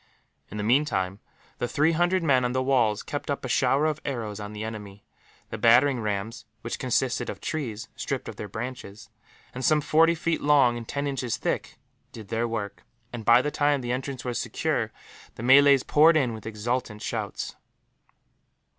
In the meantime, the three hundred men on the walls kept up a shower of arrows on the enemy. The battering rams, which consisted of trees stripped of their branches, and some forty feet long and ten inches thick, did their work and, by the time the entrance was secure, the Malays poured in with exultant shouts.